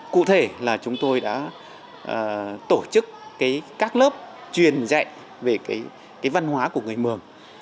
cụ thể là chúng tôi đã tổ chức các lớp truyền dạy về cái văn hóa của người mường